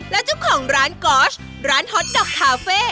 และเจ้าของร้านกอสร้านฮอตดอกคาเฟ่